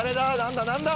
何だ？